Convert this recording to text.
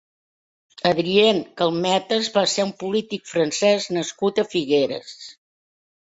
Adrien Calmètes va ser un polític francès nascut a Figueres.